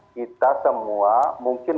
kita semua mungkin